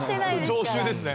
常習ですね。